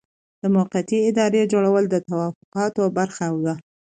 د موقتې ادارې جوړول د توافقاتو برخه وه.